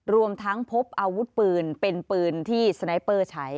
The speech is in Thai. รวมทั้งพบอาวุธปืนเป็นปืนที่สไนเปอร์ใช้